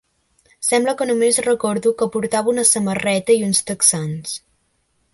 Sembla que només recordo que portava una samarreta i uns texans.